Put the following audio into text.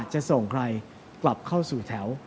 จะส่งใครกลับเข้าสู่แถว